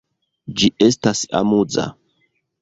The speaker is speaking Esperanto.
Ĝi estas amuza.